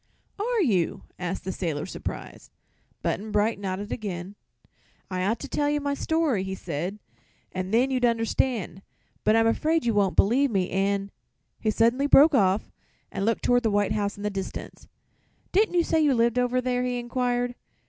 "Are you?" asked the sailor, surprised. Button Bright nodded again. "I ought to tell you my story," he said, "and then you'd understand. But I'm afraid you won't believe me, and " he suddenly broke off and looked toward the white house in the distance "Didn't you say you lived over there?" he inquired.